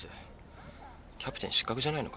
キャプテン失格じゃないのか？